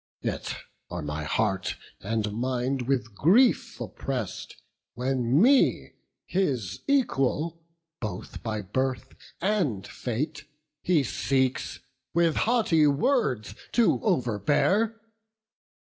Yet are my heart and mind with grief oppress'd, When me, his equal both by birth and fate, He seeks with haughty words to overbear.